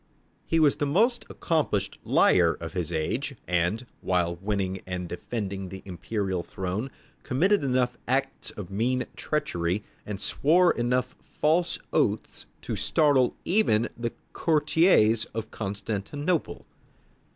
He was the most accomplished liar of his age, and, while winning and defending the imperial throne, committed enough acts of mean treachery, and swore enough false oaths to startle even the courtiers of Constantinople.